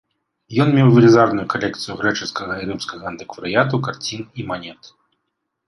Ён меў велізарную калекцыю грэчаскага і рымскага антыкварыяту, карцін і манет.